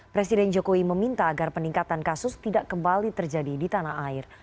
presiden jokowi meminta agar peningkatan kasus tidak kembali terjadi di tanah air